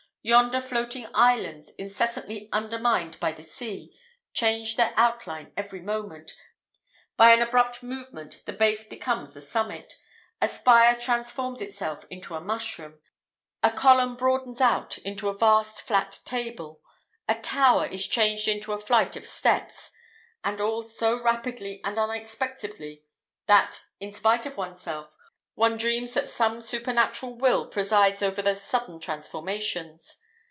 Yonder floating islands, incessantly undermined by the sea, change their outline every moment; by an abrupt movement the base becomes the summit; a spire transforms itself into a mushroom; a column broadens out into a vast flat table, a tower is changed into a flight of steps; and all so rapidly and unexpectedly that, in spite of oneself, one dreams that some supernatural will presides over those sudden transformations.